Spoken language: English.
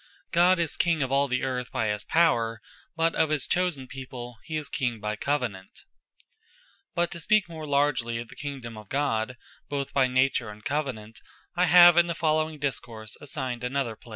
God is King of all the Earth by his Power: but of his chosen people, he is King by Covenant. But to speake more largly of the Kingdome of God, both by Nature, and Covenant, I have in the following discourse assigned an other place.